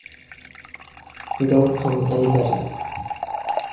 They don't come any better.